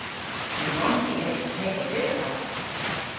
Ny wrons i eva te vyth oll.